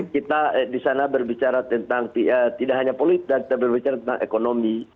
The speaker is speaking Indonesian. kita di sana berbicara tentang tidak hanya politik dan berbicara tentang ekonomi